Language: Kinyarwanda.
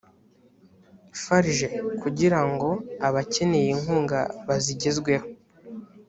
farg kugira ngo abakeneye inkunga bazigezweho